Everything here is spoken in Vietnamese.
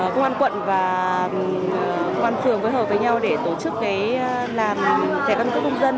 công an quận và công an phường phối hợp với nhau để tổ chức làm thẻ căn cước công dân